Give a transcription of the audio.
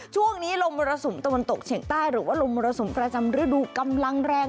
ช่วงนี้ลมมรสุมตะวันตกเฉียงใต้หรือว่าลมมรสุมประจำฤดูกำลังแรง